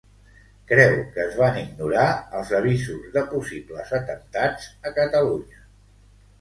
Creu que es van ignorar els avisos de possibles atemptats a Catalunya.